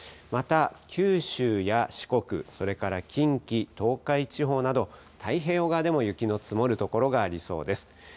また九州や四国、それから近畿、東海地方など、太平洋側でも雪の積もる所がありそうです。